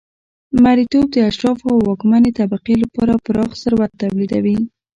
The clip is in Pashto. مریتوب د اشرافو او واکمنې طبقې لپاره پراخ ثروت تولیدوي